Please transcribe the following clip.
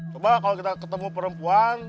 coba kalau kita ketemu perempuan